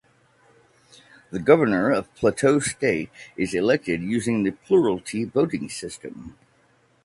The Governor of Plateau State is elected using the plurality voting system.